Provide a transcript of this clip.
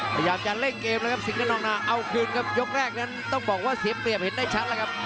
พยายามจะเล่นเกมแล้วครับสิงเงินนองนาเอาคืนครับยกแรกนั้นต้องบอกว่าเสียเปรียบเห็นได้ชัดแล้วครับ